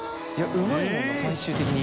うまいもんな最終的に。